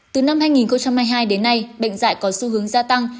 từ năm hai nghìn hai mươi hai đến nay bệnh dạy có xu hướng gia tăng